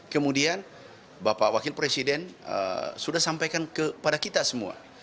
kemudian bapak wakil presiden sudah sampaikan kepada kita semua